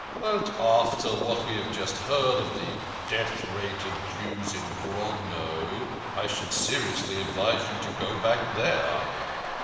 " But after what we have just heard of the death rate of Jews in Grodno, I should seri ously advise you to go back there."